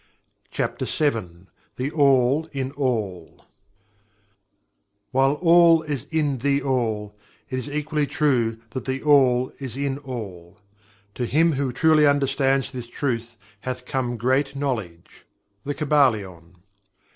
CHAPTER VII "THE ALL" IN ALL "While All is in THE ALL, it is equally true that THE ALL is in ALL. To him who truly understands this truth hath come great knowledge." The Kybalion.